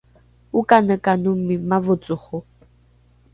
okanekanomi mavocoro?